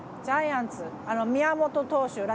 ジャイアンツ宮本投手